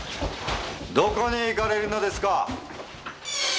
どこに行かれるのですか？